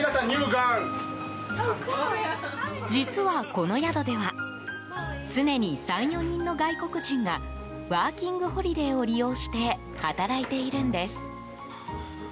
実は、この宿では常に３４人の外国人がワーキングホリデーを利用して働いているんです。